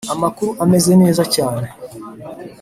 amakuru ameze neza cyane